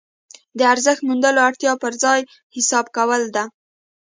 د ارزښت موندلو اړتیا پر ځان حساب کول ده.